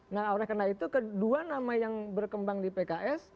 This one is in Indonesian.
nah oleh karena itu kedua nama yang berkembang di pks